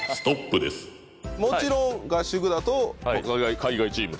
もちろん合宿だと。